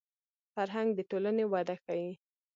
فرهنګ د ټولنې وده ښيي